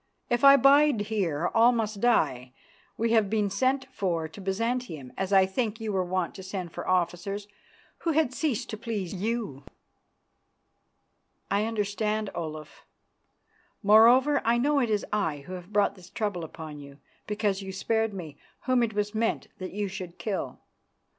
"If I bide here all must die. We have been sent for to Byzantium, as I think you were wont to send for officers who had ceased to please you." "I understand, Olaf; moreover, I know it is I who have brought this trouble upon you because you spared me, whom it was meant that you should kill.